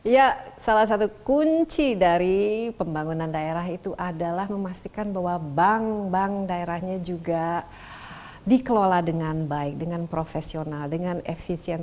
ya salah satu kunci dari pembangunan daerah itu adalah memastikan bahwa bank bank daerahnya juga dikelola dengan baik dengan profesional dengan efisien